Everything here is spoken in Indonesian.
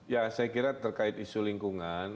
ya saya kira terkait isu lingkungan